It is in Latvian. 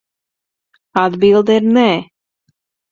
Atbilde ir nē.